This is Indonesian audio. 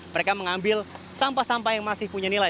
mereka mengambil sampah sampah yang masih punya nilai